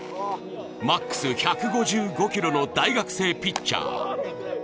ＭＡＸ１５５キロの大学生ピッチャー。